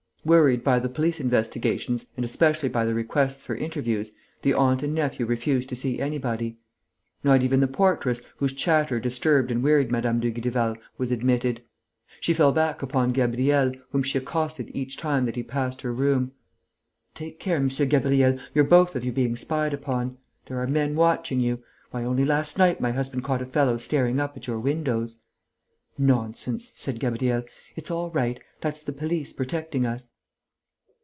Worried by the police investigations and especially by the requests for interviews, the aunt and nephew refused to see anybody. Not even the portress, whose chatter disturbed and wearied Mme. Dugrival, was admitted. She fell back upon Gabriel, whom she accosted each time that he passed her room: "Take care, M. Gabriel, you're both of you being spied upon. There are men watching you. Why, only last night, my husband caught a fellow staring up at your windows." "Nonsense!" said Gabriel. "It's all right. That's the police, protecting us."